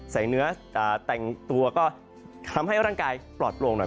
เนื้อแต่งตัวก็ทำให้ร่างกายปลอดโปร่งหน่อย